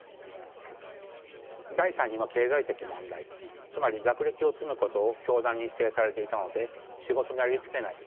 第３には「経済的問題」つまり学歴を積むことを教団に否定されていたので仕事にありつけない。